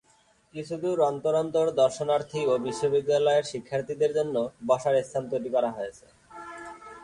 কিছুদূর অন্তর অন্তর দর্শনার্থী ও বিশ্ববিদ্যালয়ের শিক্ষার্থীদের জন্য বসার স্থান তৈরি করা হয়েছে।